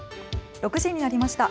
６時になりました。